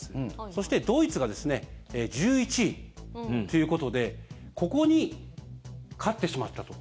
そしてドイツが１１位ということでここに勝ってしまったと。